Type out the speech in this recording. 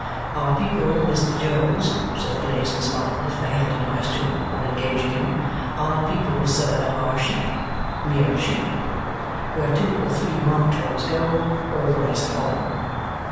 "Our people, Mr. Jones," said Blaze and Sparkle to the hand in question on engaging him, "our people, sir, are sheep mere sheep. Where two or three marked ones go, all the rest follow.